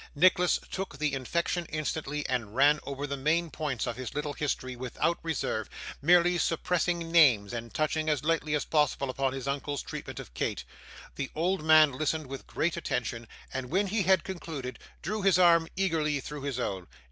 Nicholas took the infection instantly, and ran over the main points of his little history without reserve: merely suppressing names, and touching as lightly as possible upon his uncle's treatment of Kate. The old man listened with great attention, and when he had concluded, drew his arm eagerly through his own.